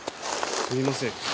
すみません。